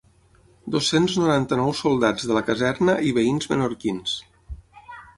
Dos-cents noranta-nou soldats de la caserna i veïns menorquins.